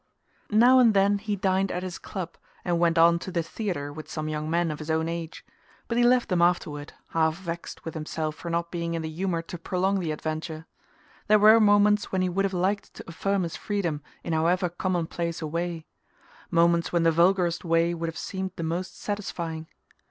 Now and then he dined at his club and went on to the theatre with some young men of his own age; but he left them afterward, half vexed with himself for not being in the humour to prolong the adventure. There were moments when he would have liked to affirm his freedom in however commonplace a way: moments when the vulgarest way would have seemed the most satisfying.